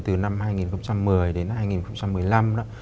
từ năm hai nghìn một mươi đến hai nghìn một mươi năm đó